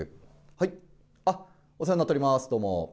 はい、あっ、お世話になっております、どうも。